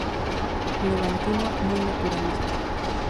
Levantino muy naturalista.